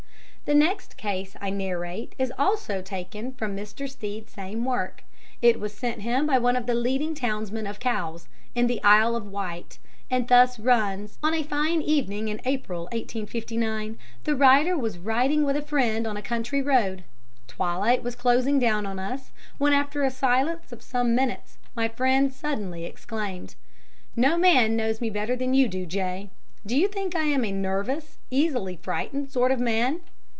The next case I narrate is also taken from Mr. Stead's same work. It was sent him by one of the leading townsmen of Cowes, in the Isle of Wight, and runs thus: "On a fine evening in April, 1859, the writer was riding with a friend on a country road. Twilight was closing down on us, when, after a silence of some minutes, my friend suddenly exclaimed: "'No man knows me better than you do, J. Do you think I am a nervous, easily frightened sort of man?'